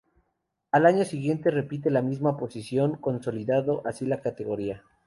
Al año siguiente repite la misma posición, consolidando así la categoría.